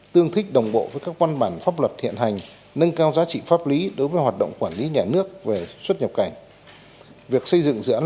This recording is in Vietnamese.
tương thích đồng bộ với các văn bản pháp luật hiện hành nâng cao giá trị pháp lý đối với hoạt động quản lý nhà nước về xuất nhập cảnh